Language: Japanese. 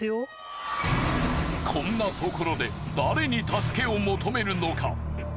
こんなところで誰に助けを求めるのか？